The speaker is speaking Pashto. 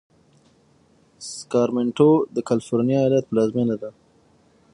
ساکرمنټو د کالفرنیا ایالت پلازمېنه ده.